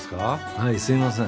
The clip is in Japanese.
はいすみません。